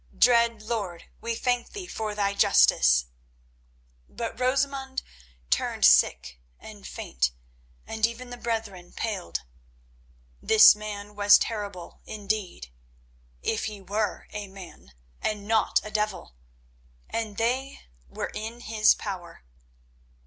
"Dread lord, we thank thee for thy justice." But Rosamund turned sick and faint, and even the brethren paled. This man was terrible indeed—if he were a man and not a devil—and they were in his power.